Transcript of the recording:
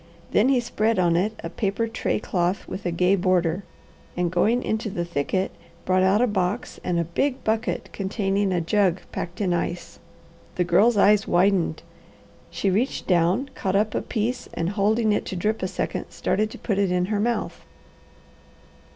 Then he spread on it a paper tray cloth with a gay border, and going into the thicket brought out a box and a big bucket containing a jug packed in ice. The Girl's eyes widened. She reached down, caught up a piece, and holding it to drip a second started to put it in her mouth.